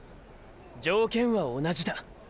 「条件は同じだ」。